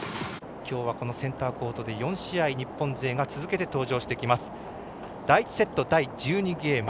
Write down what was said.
きょうはこのセンターコートで４試合日本勢が、続けて登場してきます。